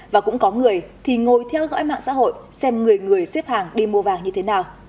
và cũng có người thì ngồi theo dõi mạng xã hội xem người người xếp hàng đi mua vàng như thế nào